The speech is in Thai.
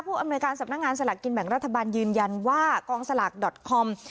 อำนวยการสำนักงานสลากกินแบ่งรัฐบาลยืนยันว่ากองสลากดอตคอม